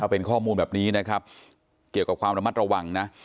เป็นข้อมูลแบบนี้นะครับเกี่ยวกับความระมัดระวังนะ